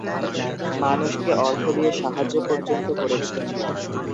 মানুষকে অর্থ দিয়ে সাহায্য পর্যন্ত করেছেন।